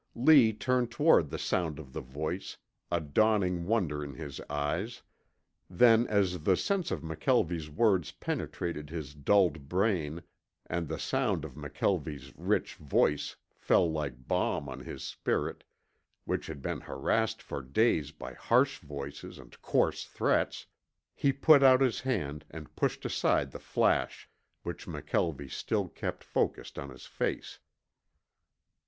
Lee turned toward the sound of the voice, a dawning wonder in his eyes, then as the sense of McKelvie's words penetrated his dulled brain and the sound of McKelvie's rich voice fell like balm on his spirit, which had been harassed for days by harsh voices and coarse threats, he put out his hand and pushed aside the flash which McKelvie still kept focused on his face.